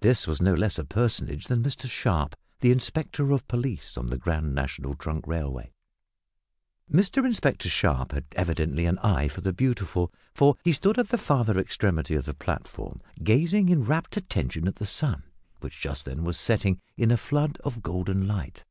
This was no less a personage than Mr Sharp, the inspector of police on the Grand National Trunk Railway. Mr Inspector Sharp had evidently an eye for the beautiful, for he stood at the farther extremity of the platform gazing in rapt attention at the sun, which just then was setting in a flood of golden light.